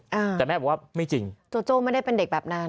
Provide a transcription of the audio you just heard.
อ่าแต่แม่บอกว่าไม่จริงโจโจ้ไม่ได้เป็นเด็กแบบนั้น